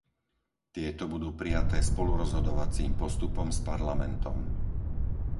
Tieto budú prijaté spolurozhodovacím postupom s Parlamentom.